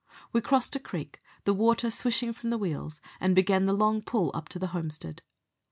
We crossed a creek, the water swishing from the wheels, and began the long pull up to the homestead.